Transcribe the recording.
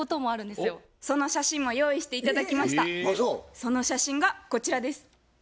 その写真がこちらです。